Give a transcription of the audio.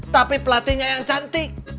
tapi pelatihnya yang cantik